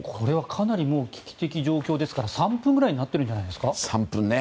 かなり、もう危機的状況ですから３分ぐらいになっているんじゃないですか。